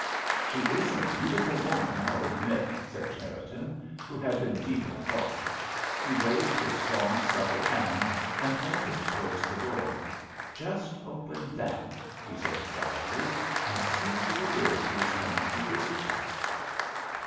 "She is a beautiful woman, I'll admit," said Cherriton, who had been deep in thought. He raised his strong, supple hand and pointed towards the door. "Just open that," he said quietly, "and see who it is who is coming to visit her."